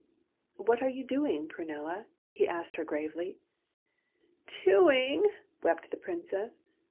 " What are you doing, Prunella ?" he asked her gravely. '' Doing !'' wept the Princess.